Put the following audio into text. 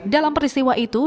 dalam peristiwa itu